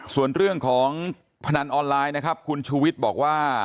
ส่วนเรื่องของพนันออนไลน์นะครับคุณชูวิทย์บอกว่า